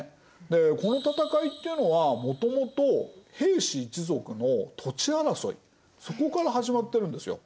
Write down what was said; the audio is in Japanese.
でこの戦いっていうのはもともと平氏一族の土地争いそこから始まってるんですよ。